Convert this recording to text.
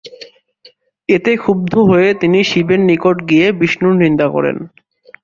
এতে ক্ষুব্ধ হয়ে তিনি শিবের নিকট গিয়ে বিষ্ণুর নিন্দা করেন।